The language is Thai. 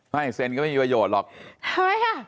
ไม่เซ็นก็ไม่มีประโยชน์หรอกทำไมอ่ะ